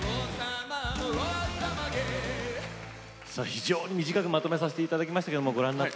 非常に短くまとめさせていただきました。